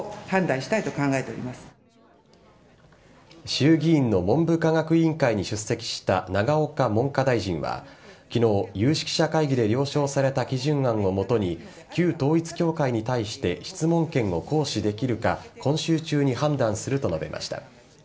衆議院の文部科学委員会に出席した永岡文科大臣は昨日、有識者会議で了承された基準案を基に旧統一教会に対して質問権を行使できるか今週中に判断すると述べました。